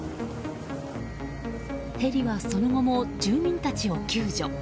ヘリは、その後も住民たちを救助。